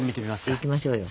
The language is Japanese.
いきましょうよ。